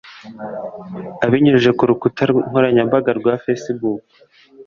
Abinyujije ku rukuta nkoranyambaga rwa facebook